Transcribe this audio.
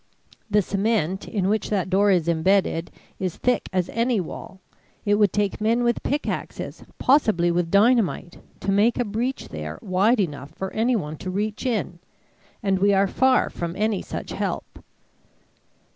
The cement in which that door is embedded is thick as any wall; it would take men with pickaxes, possibly with dynamite, to make a breach there wide enough for anyone to reach in. And we are far from any such help."